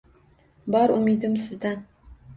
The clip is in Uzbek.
Bor umidim sizdan